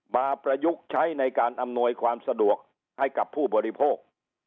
ประยุกต์ใช้ในการอำนวยความสะดวกให้กับผู้บริโภค